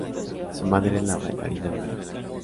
Su madre era bailarina de ballet.